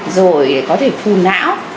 rồi có thể phù não